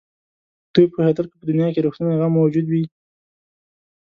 دوی پوهېدل که په دنیا کې رښتونی غم موجود وي.